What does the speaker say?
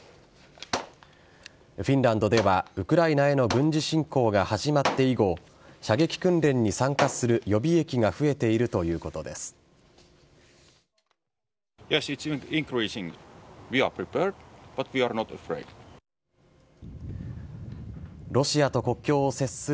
フィンランドではウクライナへの軍事侵攻が始まって以後射撃訓練に参加する予備役が増えているということです。